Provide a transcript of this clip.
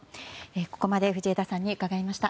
ここまで藤枝さんに伺いました。